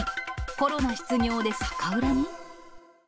コロナ失業で逆恨み？